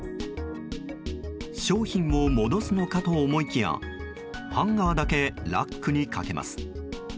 商品を戻すのかと思いきやハンガーだけラックにかけます。